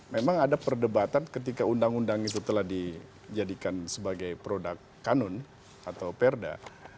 memang ada perdebatan ketika undang undang itu telah dijadikan sebagai produk kanun atau perda